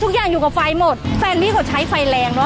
ทุกอย่างอยู่กับไฟหมดแฟนพี่เขาใช้ไฟแรงเนอ